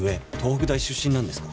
北大出身なんですか？